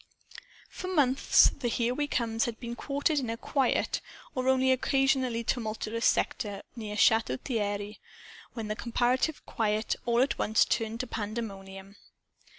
For months the "Here We Comes" had been quartered in a "quiet" or only occasionally tumultuous sector, near Chateau Thierry. Then the comparative quiet all at once turned to pandemonium.